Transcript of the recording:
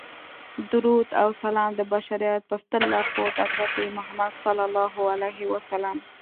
درود او سلام د بشریت په ستر لارښود حضرت محمد صلی الله علیه وسلم.